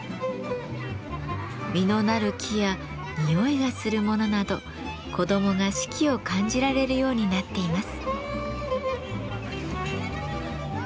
実のなる木や匂いがするものなど子どもが四季を感じられるようになっています。